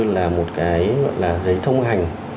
là một cái gọi là giấy thông hành